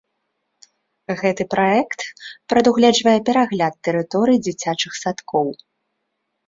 Гэты праект прадугледжвае перагляд тэрыторый дзіцячых садкоў.